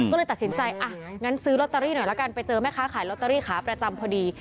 ก็เลยตัดสินใจอ่ะงั้นซื้อลอตเตอรี่หน่อยละกันไปเจอแม่ค้าขายลอตเตอรี่ขาประจำพอดี